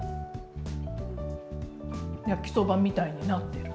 焼きそばみたいになってる。